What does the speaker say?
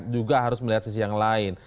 juga harus melihat sisi yang lain